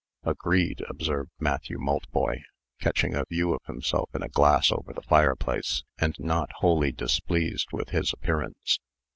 "Agreed," observed Matthew Maltboy, catching a view of himself in a glass over the fireplace, and not wholly displeased with his appearance.